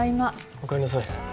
おかえりなさい。